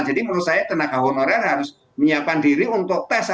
jadi menurut saya tenaga honorer harus menyiapkan diri untuk tes